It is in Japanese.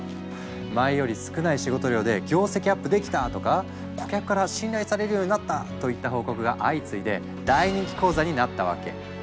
「前より少ない仕事量で業績アップできた！」とか「顧客から信頼されるようになった！」といった報告が相次いで大人気講座になったわけ。